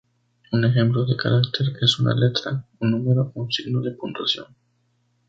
Un ejemplo de carácter es una letra, un número o un signo de puntuación.